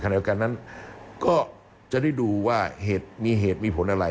คณะยาการนั้นก็จะได้ดูว่ามีเหตุมีผลอะไร